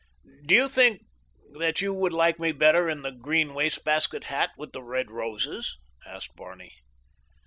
"Do you think that you would like me better in the green wastebasket hat with the red roses?" asked Barney.